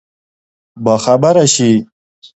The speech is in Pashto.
باخبره شي.